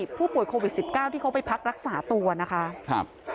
ผู้ป่วยโควิด๑๙ที่เขาไปพักรักษาตัวนะคะครับ